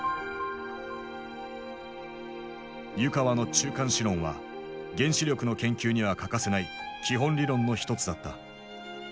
湯川の中間子論は原子力の研究には欠かせない基本理論の一つだった。